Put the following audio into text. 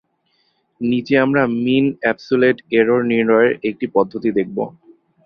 নিচে আমরা mean absolute error নির্ণয়ের একটি পদ্ধতি দেখবো।